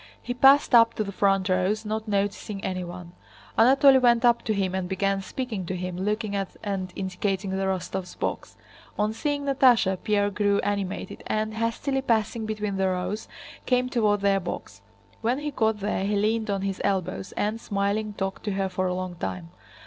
He passed up to the front rows, not noticing anyone. Anatole went up to him and began speaking to him, looking at and indicating the Rostóvs' box. On seeing Natásha Pierre grew animated and, hastily passing between the rows, came toward their box. When he got there he leaned on his elbows and, smiling, talked to her for a long time.